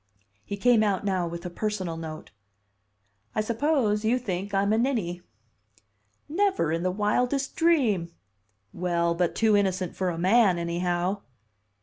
He came out now with a personal note. "I suppose you think I'm a ninny." "Never in the wildest dream!" "Well, but too innocent for a man, anyhow."